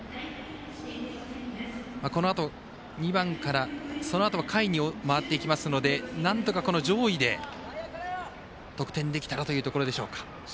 このあと、２番から、そのあとも下位に回っていきますのでなんとか上位で得点できたらというところでしょうか。